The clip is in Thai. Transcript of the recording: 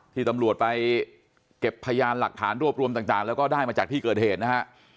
ที่ตำรวจไปเก็บพยานหลักฐานรวบรวมต่างแล้วก็ได้มาจากที่เกิดเหตุนะฮะ